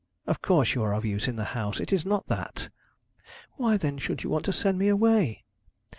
'Of course you are of use in the house. It is not that.' 'Why, then, should you want to send me away?'